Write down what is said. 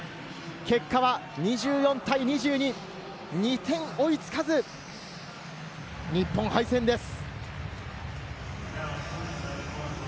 結果は２４対２２、２点追いつかず、日本敗戦です。